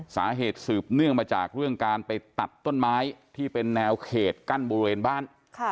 สืบเนื่องมาจากเรื่องการไปตัดต้นไม้ที่เป็นแนวเขตกั้นบริเวณบ้าน